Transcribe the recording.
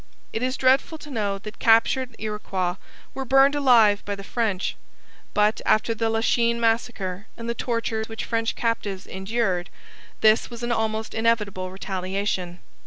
It is dreadful to know that captured Iroquois were burned alive by the French, but after the Lachine massacre and the tortures which French captives endured, this was an almost inevitable retaliation.